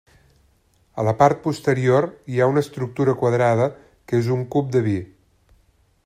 A la part posterior, hi ha una estructura quadrada que és un cup de vi.